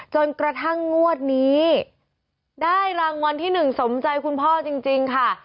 จนกระทั่งงวดนี้ได้รางวัลที่๑สมใจคุณพ่อจริงค่ะ